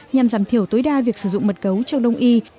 nhằm giảm thiểu tối đa việc sử dụng mất gấu trong đông y